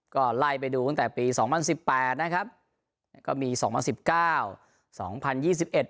ก็ไล่ไปดูตั้งแต่ปีสองพันสิบแปดนะครับก็มีสองพันสิบเก้าสองพันยี่สิบเอ็ด